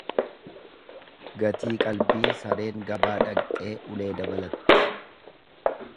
Gatii qalbii sareen gabaa dhaqxee ulee dabalatti.